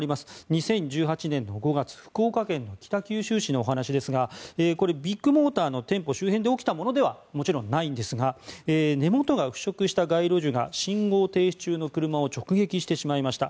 ２０１８年の５月福岡県北九州市のお話ですがこれはビッグモーターの店舗周辺で起きたものではもちろん、ないんですが根元が腐食した街路樹が信号停止中の車を直撃してしまいました。